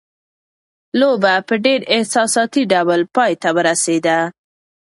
لوبه په ډېر احساساتي ډول پای ته ورسېده.